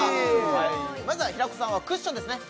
まずは平子さんはクッションですね